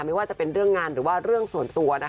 ไม่ว่าจะเป็นเรื่องงานหรือว่าเรื่องส่วนตัว